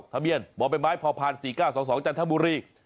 ทะเบียนบพภ๔๙๒๒จันทบุรี